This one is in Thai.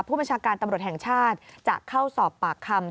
ผู้บัญชาการตำรวจแห่งชาติจะเข้าสอบปากคำ